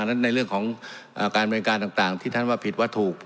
อันนั้นในเรื่องของอ่าการบริการต่างต่างที่ท่านว่าผิดว่าถูก